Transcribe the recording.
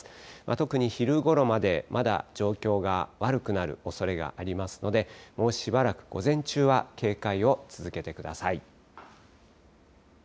特に昼ごろまで、まだ状況が悪くなるおそれがありますので、もうしばらく午前中は警戒を続けてください。